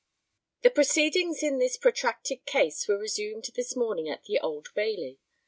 The proceedings in this protracted case were resumed this morning at the Old Bailey.